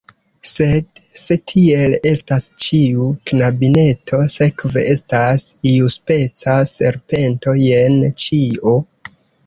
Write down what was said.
Sed, se tiel estas, ĉiu knabineto sekve estas iuspeca serpento. Jen ĉio!